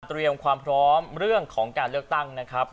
เตรียมความพร้อมเรื่องของการเลือกตั้งนะครับ